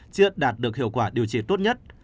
chưa đạt được hiệu quả điều trị tốt nhất